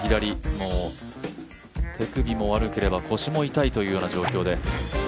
もう手首も悪ければ腰も痛いというような状況で。